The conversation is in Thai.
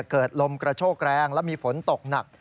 เกิดลมกระโชกแรงและมีฝนตกหนัก